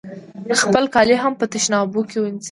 خپل کالي هم په تشنابونو کې وینځي.